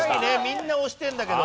みんな押してんだけど。